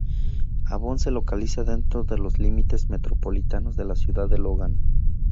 Avon se localiza dentro de los límites metropolitanos de la ciudad de Logan.